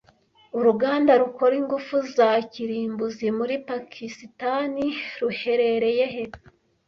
Uruganda rukora ingufu za kirimbuzi muri Pakisitani ruherereye he